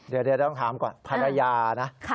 เดี๋ยวต้องถามก่อนภรรยานะ